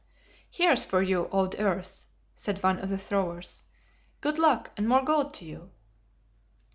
"Here's for you, Old Earth," said one of the throwers, "good luck, and more gold to you!"